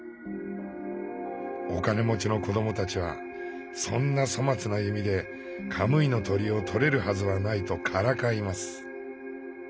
お金持ちの子どもたちはそんな粗末な弓でカムイの鳥を捕れるはずはないとからかいます。